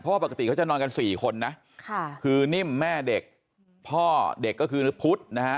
เพราะว่าปกติเขาจะนอนกัน๔คนนะคือนิ่มแม่เด็กพ่อเด็กก็คือพุทธนะฮะ